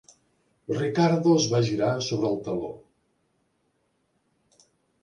Ricardo es va girar sobre el taló.